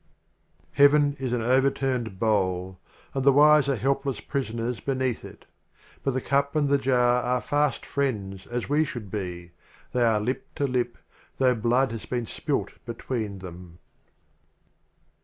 LXXII A. Heaven is an Overturned Bowl, And the Wise are Helpless Prison ers beneath it. But the Cup and the Jar are Fast Friends as we should be — They are Lip to Lip, though Blood has been spilled between them.